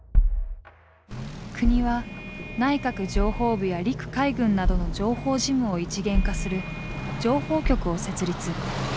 国は内閣情報部や陸海軍などの情報事務を一元化する情報局を設立。